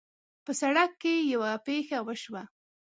په سړک کې یوه پېښه وشوه